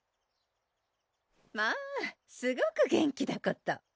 まぁすごく元気だこと！